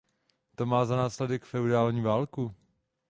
To má za následek feudální válku.